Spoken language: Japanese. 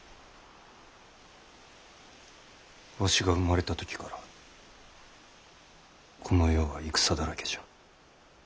わしが生まれた時からこの世は戦だらけじゃ。